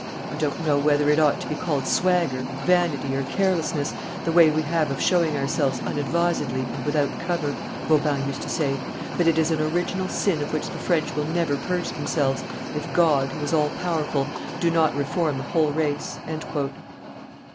"I don't know whether it ought to be called swagger, vanity, or carelessness, the way we have of showing ourselves unadvisedly and without cover," Vauban used to say; " but it is an original sin of which the French will never purge themselves, if God, who is all powerful, do not reform the whole race."